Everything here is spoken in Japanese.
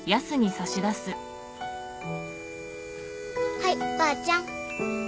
はいばあちゃん。